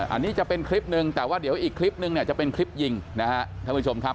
อันนี้จะเป็นคลิปหนึ่งแต่ว่าเดี๋ยวอีกคลิปนึงเนี่ยจะเป็นคลิปยิงนะฮะท่านผู้ชมครับ